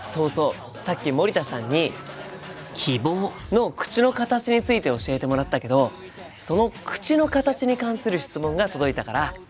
さっき森田さんに「希望」の口の形について教えてもらったけどその口の形に関する質問が届いたから紹介するね。